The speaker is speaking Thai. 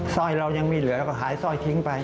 ซ่อยเรายังมีเหลือแล้วก็หายซ่อยทิ้งไป